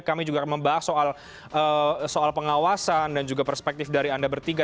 kami juga akan membahas soal pengawasan dan juga perspektif dari anda bertiga